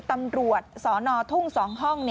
ตำรวจสนทุ่ง๒ห้อง